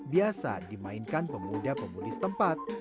biasa dimainkan pemuda pemudi setempat